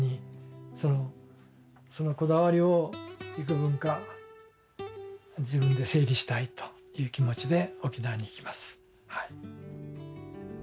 そのこだわりを幾分か自分で整理したいという気持ちで沖縄に行きますはい。